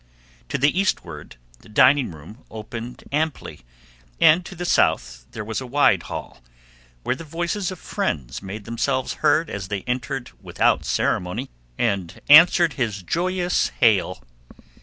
To the eastward the dining room opened amply, and to the south there was a wide hall, where the voices of friends made themselves heard as they entered without ceremony and answered his joyous hail.